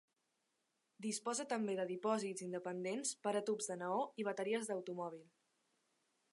Disposa també de dipòsits independents per a tubs de neó i bateries d’automòbil.